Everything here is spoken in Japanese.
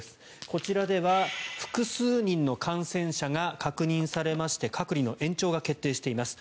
こちらでは複数人の感染者が確認されまして隔離の延長が決定しています。